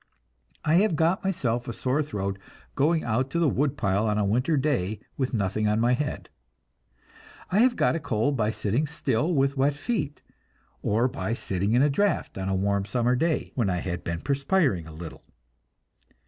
I have got myself a sore throat going out to the wood pile on a winter day with nothing on my head. I have got a cold by sitting still with wet feet, or by sitting in a draft on a warm summer day, when I had been perspiring a little.